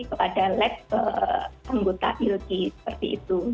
kepada lab anggota ilki seperti itu